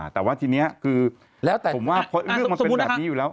แต่ว่าทีนี้คือแล้วแต่ผมว่าเรื่องมันเป็นแบบนี้อยู่แล้ว